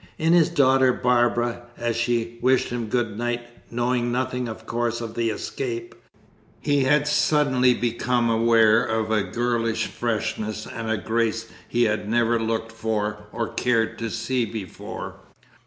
In his daughter Barbara, as she wished him good night (knowing nothing, of course, of the escape), he had suddenly become aware of a girlish freshness and grace he had never looked for or cared to see before.